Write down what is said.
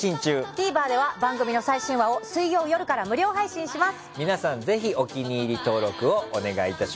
ＴＶｅｒでは番組の最新話を水曜夜から無料配信します。